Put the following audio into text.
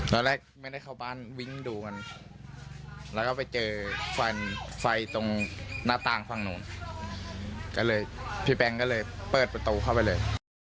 ตอนแรกไม่ได้เข้าบ้านวิ่งดูมันแล้วก็ไปเจอไฟตรงหน้าต่างฝั่งหนูก็เลยพี่แบงค์ก็เลยเปิดประตูเข้าไปเลย